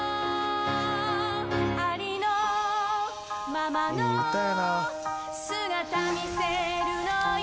「ありのままの姿見せるのよ」